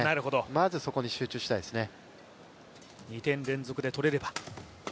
まずそこに注目したいですよね。